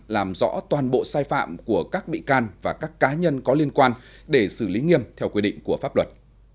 làm rõ toàn bộ sai phạm của các bị can và các cá nhân có liên quan để xử lý nghiêm theo quy định của pháp luật